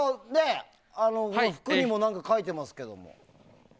服にも何か書いてますけど。